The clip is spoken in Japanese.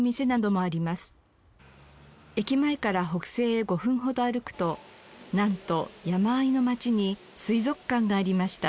駅前から北西へ５分ほど歩くとなんと山あいの町に水族館がありました。